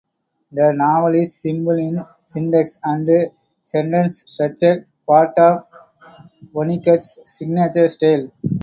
The novel is simple in syntax and sentence structure, part of Vonnegut's signature style.